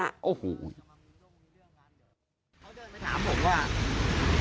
มันก็เลยกลายเป็นว่าเหมือนกับยกพวกมาตีกัน